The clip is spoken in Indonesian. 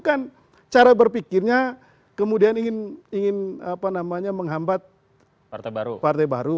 karena kan cara berpikirnya kemudian ingin menghambat partai baru